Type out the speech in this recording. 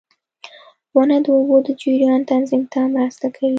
• ونه د اوبو د جریان تنظیم ته مرسته کوي.